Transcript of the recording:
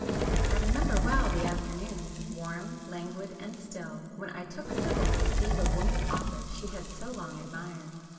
I remember well the afternoon, warm, languid and still, when I took Sibyl to see the woman author she had so long admired.